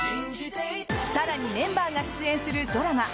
更にメンバーが出演するドラマ